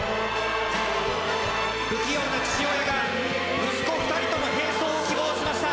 不器用な父親が息子２人との並走を希望しました。